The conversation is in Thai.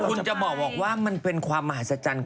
คุณจะบอกว่ามันเป็นความมหัศจรรย์